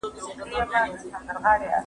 د کرنې وزارت بزګرانو ته اسانتیاوې برابروي.